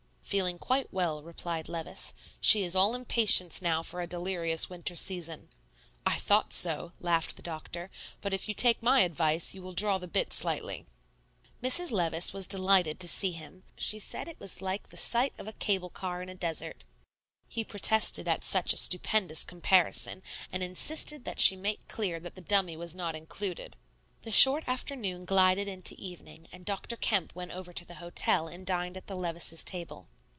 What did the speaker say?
"Feeling quite well," replied Levice; "she is all impatience now for a delirious winter season." "I thought so," laughed the doctor; "but if you take my advice, you will draw the bit slightly." Mrs. Levice was delighted to see him; she said it was like the sight of a cable car in a desert. He protested at such a stupendous comparison, and insisted that she make clear that the dummy was not included. The short afternoon glided into evening, and Dr. Kemp went over to the hotel and dined at the Levices' table.